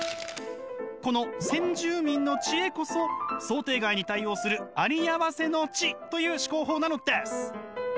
この先住民の知恵こそ想定外に対応するありあわせの知という思考法なのです！